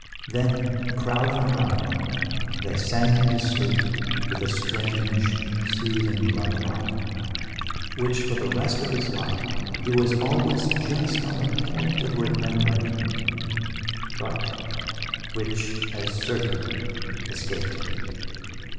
Then, crowding around him, they sang him to sleep with a strange soothing lullaby, which for the rest of his life he was always just on the point of remembering, but which as certainly escaped him.